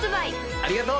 ありがとう！